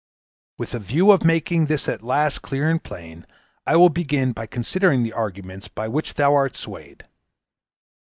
With a view of making this at last clear and plain, I will begin by considering the arguments by which thou art swayed.